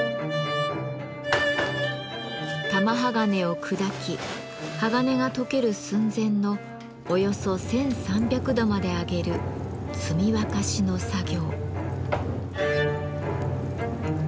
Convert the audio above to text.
玉鋼を砕き鋼が溶ける寸前のおよそ１，３００度まで上げる積沸しの作業。